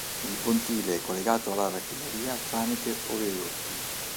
Il pontile è collegato alla raffineria tramite oleodotti.